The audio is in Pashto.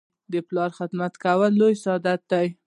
د پلار خدمت کول لوی سعادت دی.